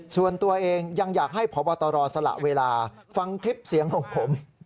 ส่วนตัวเองยังอยากให้พบตรสละเวลาฟังคลิปเสียงของผม